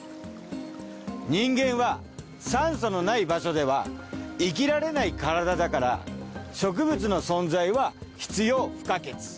人間は酸素のない場所では生きられない体だから植物の存在は必要不可欠。